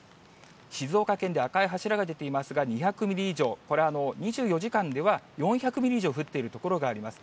静岡県で赤い柱が出ていますが、２００ミリ以上、これ、２４時間では４００ミリ以上降っている所があります。